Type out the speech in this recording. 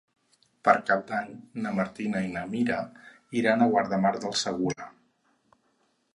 Per Cap d'Any na Martina i na Mira iran a Guardamar del Segura.